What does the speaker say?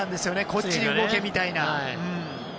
こっちに動けみたいな。